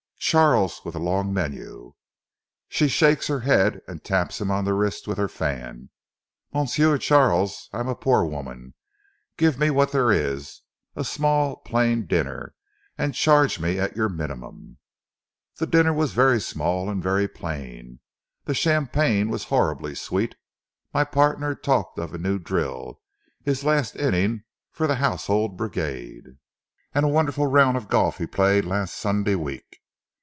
Charles with a long menu. She shakes her head and taps him on the wrist with her fan. 'Monsieur Charles, I am a poor woman. Give me what there is a small, plain dinner and charge me at your minimum.' The dinner was very small and very plain, the champagne was horribly sweet. My partner talked of a new drill, his last innings for the Household Brigade, and a wonderful round of golf he played last Sunday week.